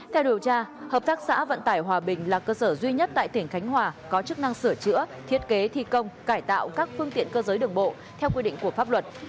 theo điều tra hợp tác xã vận tải hòa bình là cơ sở duy nhất tại tỉnh khánh hòa có chức năng sửa chữa thiết kế thi công cải tạo các phương tiện cơ giới đường bộ theo quy định của pháp luật